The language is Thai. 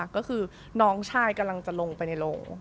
ก็คือน้องชายกำลังจะลงไปในโรง